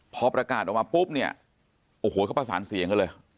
พอประกาศออกมาปุ๊บเนี่ยโอ้โหเขาประสานเสียงกันเลย